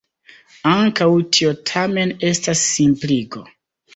Ankaŭ tio tamen estas simpligo.